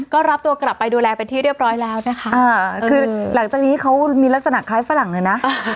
ก็รับตัวกลับไปดูแลเป็นที่เรียบร้อยแล้วนะคะคือหลังจากนี้เขามีลักษณะคล้ายฝรั่งเลยนะ